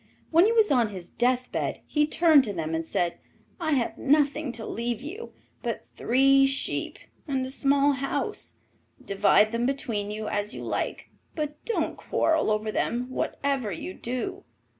When he was on his death bed he turned to them and said, 'I have nothing to leave you but three sheep and a small house; divide them between you, as you like, but don't quarrel over them whatever you do.